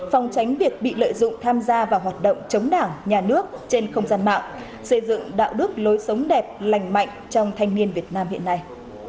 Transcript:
phòng tránh việc bị lợi dụng tham gia vào hoạt động chống đảng nhà nước trên không gian mạng xây dựng đạo đức lối sống đẹp lành mạnh trong thanh niên việt nam hiện nay